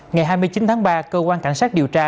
ngày hai mươi chín tháng ba cơ quan cảnh sát điều tra